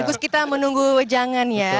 sekaligus kita menunggu jangannya